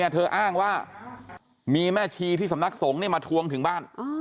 เธออ้างว่ามีแม่ชีที่สำนักสงฆ์มาทวงถึงบ้าน